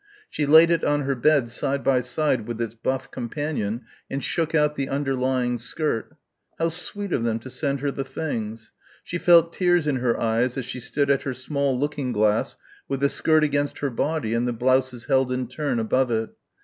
She laid it on her bed side by side with its buff companion and shook out the underlying skirt.... How sweet of them to send her the things ... she felt tears in her eyes as she stood at her small looking glass with the skirt against her body and the blouses held in turn above it